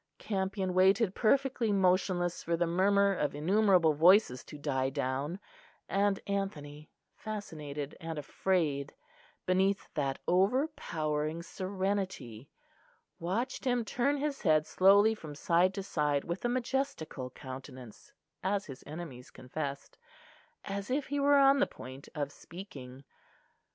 Campion waited perfectly motionless for the murmur of innumerable voices to die down; and Anthony, fascinated and afraid beneath that overpowering serenity, watched him turn his head slowly from side to side with a "majestical countenance," as his enemies confessed, as if he were on the point of speaking.